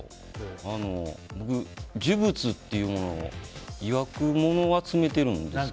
呪物っていうものをいわくものを集めてるんですけど。